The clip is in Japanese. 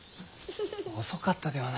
遅かったではないか。